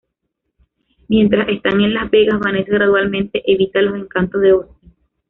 Mientras están en Las Vegas, Vanessa gradualmente evita los encantos de Austin.